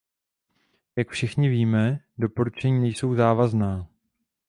Jak všichni víme, doporučení nejsou závazná.